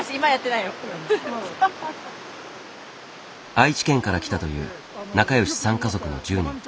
愛知県から来たという仲よし３家族の１０人。